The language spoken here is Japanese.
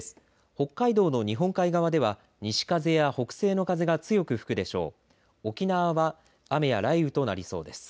北海道の日本海側では西風や北西の風が強く吹くでしょう。